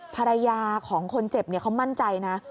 ภรรยาของคนเจ็บเขามั่นใจนะ